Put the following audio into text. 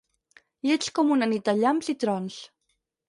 Lleig com una nit de llamps i trons.